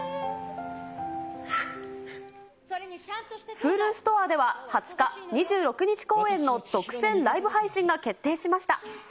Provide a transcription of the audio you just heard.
Ｈｕｌｕストアでは２０日、２６日公演の独占ライブ配信が決定しました。